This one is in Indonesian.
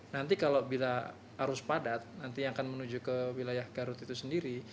nanti kalau bila arus padat nanti yang akan menuju ke wilayah garut itu sendiri